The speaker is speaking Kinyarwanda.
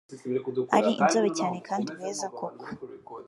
ari inzobe cyane kandi beza koko